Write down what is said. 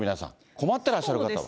困ってらっしゃる方は。